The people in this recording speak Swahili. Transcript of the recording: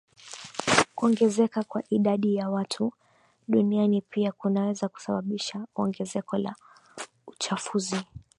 Kuongezeka kwa idadi ya watu duniani pia kunaweza kusababisha ongezeko la uchafuzi